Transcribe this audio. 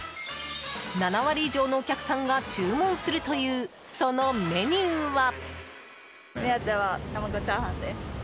７割以上のお客さんが注文するというそのメニューは。